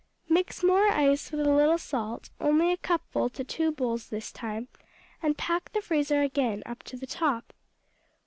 Mix more ice with a little salt; only a cupful to two bowls this time, and pack the freezer again up to the top.